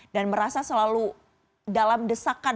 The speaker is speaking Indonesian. dan merasa selalu dalam desain